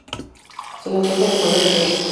Se lo encuentra en Ecuador y Perú.